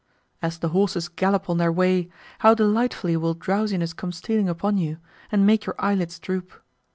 As the horses gallop on their way, how delightfully will drowsiness come stealing upon you, and make your eyelids droop!